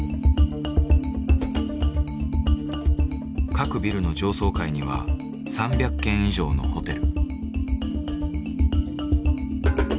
各ビルの上層階には３００軒以上のホテル。